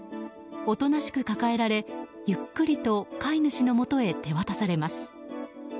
おとなしく抱えられゆっくりと飼い主のもとへ手渡されます。